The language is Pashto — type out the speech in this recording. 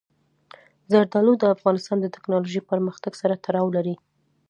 زردالو د افغانستان د تکنالوژۍ پرمختګ سره تړاو لري.